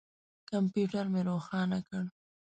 کمپیوټر مې روښانه کړ.